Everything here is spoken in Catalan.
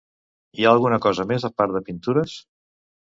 Hi ha alguna cosa més a part de pintures?